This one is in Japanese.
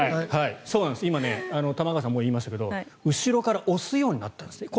今、玉川さんも言いましたけど後ろから押すようになったんです。